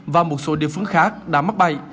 và một số địa phương khác đã mắc bày